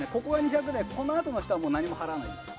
このあとの人は何も払いません。